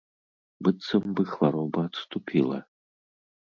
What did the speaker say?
Быццам бы хвароба адступіла.